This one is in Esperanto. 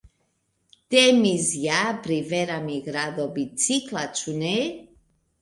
Temis ja pri vera migrado bicikla, ĉu ne?